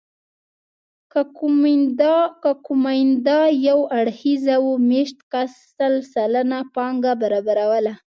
که کومېندا یو اړخیزه وه مېشت کس سل سلنه پانګه برابروله